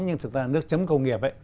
nhưng thực ra là nước chấm công nghiệp